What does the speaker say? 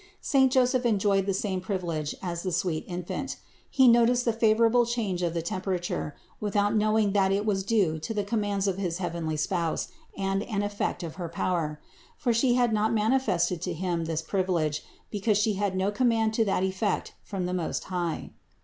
Saint Joseph enjoyed the same privilege as the sweet Infant; he noticed the THE INCARNATION 459 favorable change of the temperature, without knowing that it was due to the commands of his heavenly Spouse and an effect of her power; for She had not manifested to him this privilege, because She had no command to that effect from the Most High.